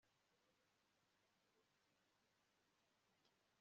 biyemeje gushinga umutwe wa politike bamaze no kuwandikisha